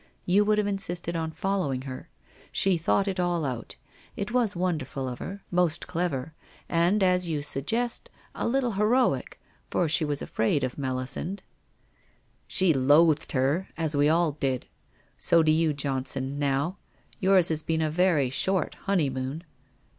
You would have insisted on following her. She thought it all out. It was wonderful of her, most clever, and, as you suggest, a little heroic, for she was afraid of Melisande.' WHITE ROSE OF WEARY LEAF 381 * She loathed her, as we all did. So do you, Johnson, now. Yours has been a very short honeymoon.'